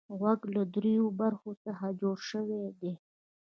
غوږ له دریو برخو څخه جوړ شوی دی.